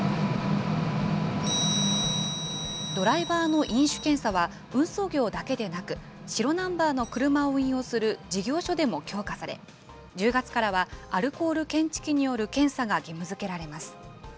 ドライバーの飲酒検査は運送業だけでなく、白ナンバーの車を運用する事業所でも強化され、１０月からは、アルコール検知器による検査が義務づけられます。